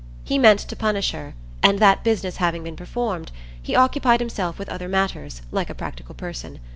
He meant to punish her, and that business having been performed, he occupied himself with other matters, like a practical person.